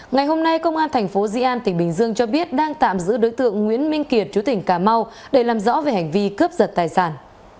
ngày hôm nay công an thành phố di an tỉnh bình dương cho biết đang tạm giữ đối tượng nguyễn minh kiệt chú tỉnh cà mau để làm rõ về hành vi cướp giật tài sản